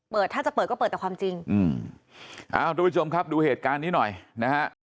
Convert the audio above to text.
ถ้าจะเปิดก็เปิดแต่ความจริงอืมอ่าทุกผู้ชมครับดูเหตุการณ์นี้หน่อยนะฮะ